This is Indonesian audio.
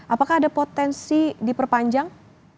apakah ada potensi diperpanjang